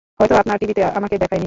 হয়তো আপনার টিভিতে আমাকে দেখায়নি।